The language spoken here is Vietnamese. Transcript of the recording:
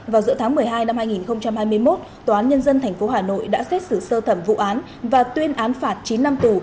vào giữa tháng một mươi hai năm hai nghìn hai mươi một tòa án nhân dân tp hà nội đã xét xử sơ thẩm vụ án và tuyên án phạt chín năm tù